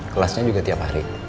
kelasnya juga tiap hari